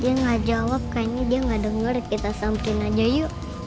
dia nggak jawab kayaknya dia gak denger kita sampein aja yuk